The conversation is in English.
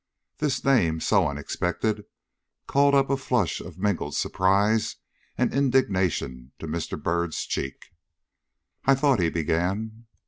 This name, so unexpected, called up a flush of mingled surprise and indignation to Mr. Byrd's cheek. "I thought " he began.